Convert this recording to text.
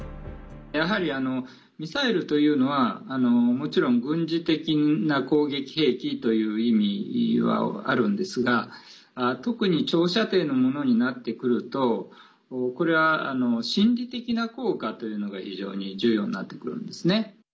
やはり、ミサイルというのはもちろん軍事的な攻撃兵器という意味はあるんですが特に長射程のものになってくるとこれは、心理的な効果というのが非常に重要になってくるんですね。